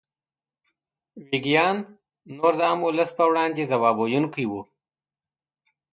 ویګیان نور د عام ولس په وړاندې ځواب ویونکي وو.